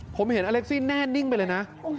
ผมเห็นอเล็กซี่แน่นิ่งไปเลยนะ